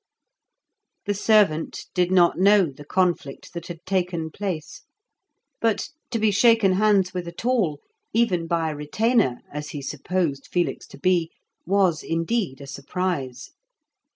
The servant did not know the conflict that had taken place; but to be shaken hands with at all, even by a retainer as he supposed Felix to be, was indeed a surprise.